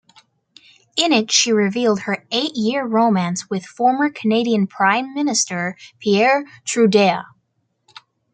In it she revealed her eight-year romance with former Canadian Prime Minister Pierre Trudeau.